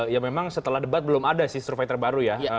ya memang setelah debat belum ada sih survei terbaru ya